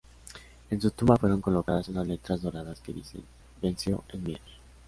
En su tumba fueron colocadas unas letras doradas que dicen "Venció en Mier".